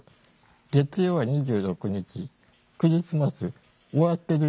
月曜は２６日クリスマス終わってるよ。